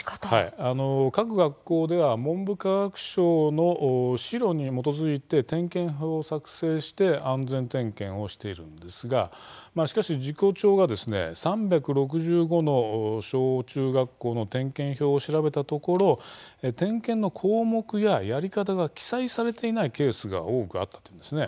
各学校では文部科学省の指導に基づいて点検表を作成して安全点検をしているんですがしかし事故調が３６５の小中学校の点検表を調べたところ点検の項目や、やり方が記載されていないケースが多かったというんです。